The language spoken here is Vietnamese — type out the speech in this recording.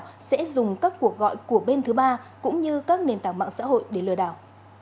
bộ thông tin và truyền thông sẽ dùng các cuộc gọi của bên thứ ba cũng như các nền tảng mạng xã hội để lừa đảo